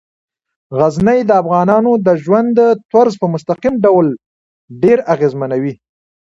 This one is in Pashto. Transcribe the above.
غزني د افغانانو د ژوند طرز په مستقیم ډول ډیر اغېزمنوي.